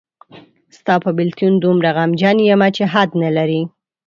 ستا په بېلتون دومره غمجن یمه چې حد نلري